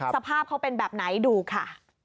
สภาพเขาเป็นแบบไหนดูค่ะ